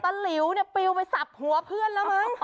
หลิวเนี่ยปิวไปสับหัวเพื่อนแล้วมั้ง